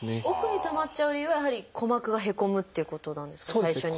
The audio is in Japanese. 奥にたまっちゃう理由はやはり鼓膜がへこむっていうことなんですか？